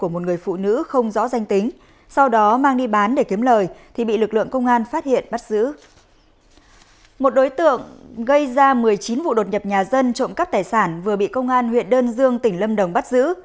một đối tượng gây ra một mươi chín vụ đột nhập nhà dân trộm cắp tài sản vừa bị công an huyện đơn dương tỉnh lâm đồng bắt giữ